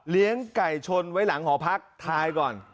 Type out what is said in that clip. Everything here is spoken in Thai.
เลี้ยงไก่ชนไว้หลังหอพักท้ายก่อน